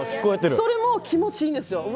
それも気持ちがいいんですよ。